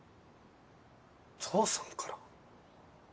父さんから？